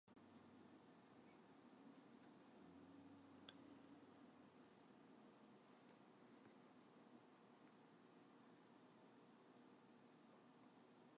He serves as an advisor for the Global Coral Reef Alliance.